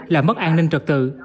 là mất an ninh trực tự